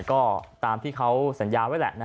ก็ตามที่เขาสัญญาไว้แหละ